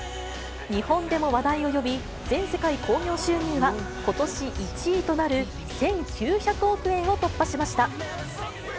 日本でも話題を呼び、全世界興行収入は、ことし１位となる１９００億円を突破しました。